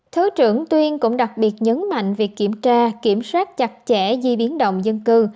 thứ trưởng tuyên cũng đặc biệt nhấn mạnh việc kiểm tra kiểm soát chặt chẽ di biến động dân cư